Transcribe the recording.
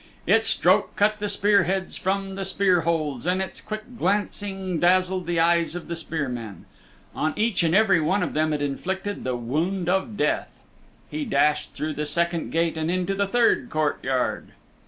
Its stroke cut the spear heads from the spear holds, and its quick glancing dazzled the eyes of the spear men. On each and every one of them it inflicted the wound of death. He dashed through the second gate and into the third courtyard.